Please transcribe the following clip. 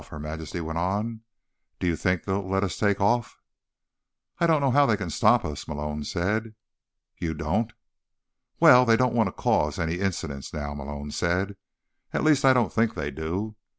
Her Majesty went on. "Do you think they'll let us take off?" "I don't know how they can stop us," Malone said. "You don't?" "Well, they don't want to cause any incidents now," Malone said. "At least, I don't think they do.